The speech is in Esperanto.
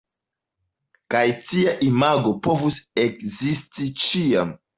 Kaj tia imago povus ekzisti ĉiam.